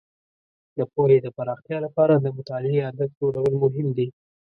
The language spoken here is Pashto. د پوهې د پراختیا لپاره د مطالعې عادت جوړول مهم دي.